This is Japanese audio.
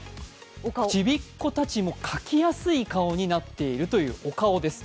ちびっこたちも描きやすい顔になっているというお顔です。